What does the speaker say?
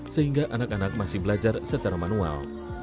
sehingga anak anak masih belajar secara manual